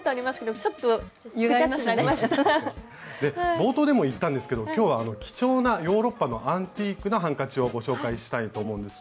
冒頭でも言ったんですけど今日は貴重なヨーロッパのアンティークのハンカチをご紹介したいと思うんです。